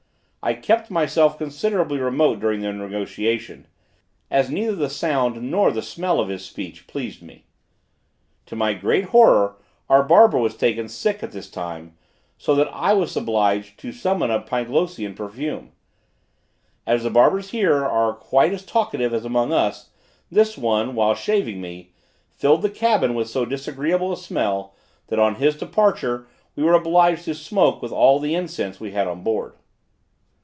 I kept myself considerably remote during the negotiation, as neither the sound nor the smell of his speech pleased me. To my great horror our barber was taken sick at this time, so that I was obliged to summon a Pyglossian perfume. As the barbers here are quite as talkative as among us, this one, while shaving me, filled the cabin with so disagreeable a smell, that, on his departure, we were obliged to smoke with all the incense we had on board.